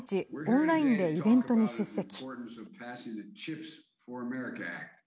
オンラインでイベントに出席。